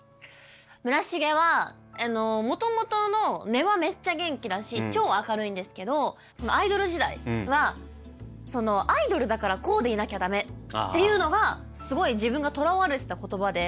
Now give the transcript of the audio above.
村重はもともとの根はめっちゃ元気だし超明るいんですけどアイドル時代はアイドルだからこうでいなきゃダメっていうのがすごい自分がとらわれてた言葉で。